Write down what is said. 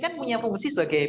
kan punya fungsi sebagai